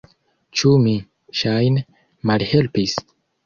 Ĉu mi, ŝajne, malhelpis?